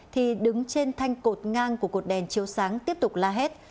thì đứng trên thanh cột ngang của cột đèn chiếu sáng tiếp tục la hét